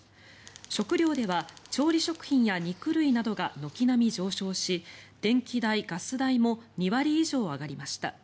食料では調理食品や肉類などが軒並み上昇し電気代、ガス代も２割以上上がりました。